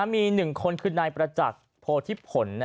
มี๑คนคือนายประจักษ์โพธิผล